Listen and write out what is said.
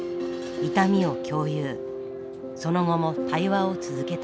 その後も対話を続けたのです。